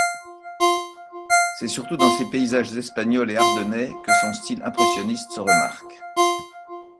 C’est surtout dans ses paysages espagnols et ardennais que son style impressionniste se remarque.